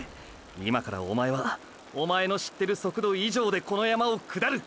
今からおまえはおまえの知ってる速度以上でこの山を下る。